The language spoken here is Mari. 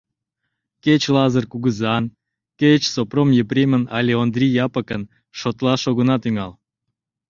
Кеч Лазыр кугызан, кеч Сопром Епремын але Ондри Япыкын, шотлаш огына тӱҥал.